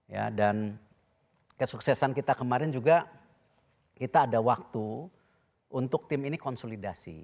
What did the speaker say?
ya dan kesuksesan kita kemarin juga kita ada waktu untuk tim ini konsolidasi